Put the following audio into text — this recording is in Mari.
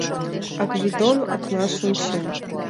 А Гвидон окнаш ончен